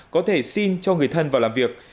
có thể xin cho người thân vào làm việc